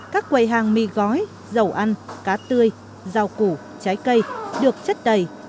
các quầy hàng mì gói dầu ăn cá tươi rau củ trái cây được chất đầy